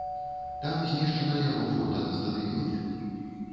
Там змешчана яго фота на стадыёне.